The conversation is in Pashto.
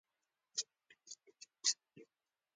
ګلاب د عشق نه ډک دی.